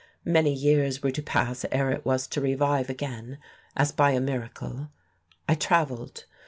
Many years were to pass ere it was to revive again, as by a miracle. I travelled.